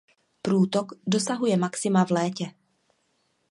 Průtok dosahuje maxima v létě.